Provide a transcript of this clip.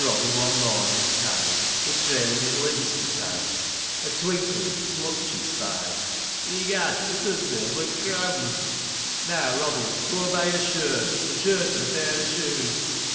As Reddle one mornin' tide Wur trailin' his limbs to town, A twinkle i'th slutch he spied, " Egad, it's a silver crown !"'* Now, Roddle, go buy a shirt — A shirt an' a pair o' shoon